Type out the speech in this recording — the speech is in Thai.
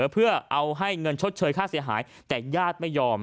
เพื่อเอาให้เงินชดเชยค่าเสียหายแต่ญาติไม่ยอม